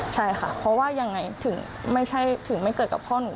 ใช่ค่ะเพราะว่ายังไงถึงไม่เกิดกับพ่อหนู